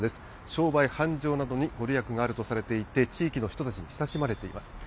商売繁盛などに御利益があるとされていて、地域の人たちに親しまれています。